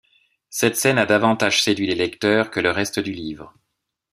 Cette scène a davantage séduit les lecteurs que le reste du livre.